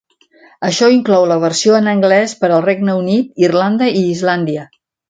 Això inclou la versió en anglès per al Regne Unit, Irlanda i Islàndia.